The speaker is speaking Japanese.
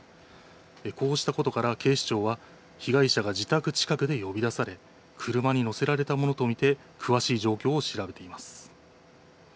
こうしたことから警視庁は被害者が自宅近くで呼び出され車に乗せられたものと見て詳しい状況を調べています。